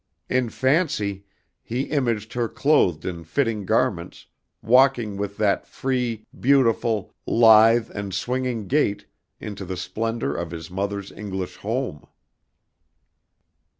In fancy he imaged her clothed in fitting garments, walking with that free, beautiful, lithe and swinging gait into the splendor of his mother's English home.